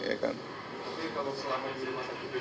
tapi kalau selama di rumah sakit